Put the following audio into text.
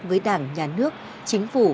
với đảng nhà nước chính phủ